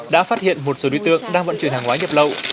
đã phát hiện một số đối tượng đang vận chuyển hàng hóa nhập lậu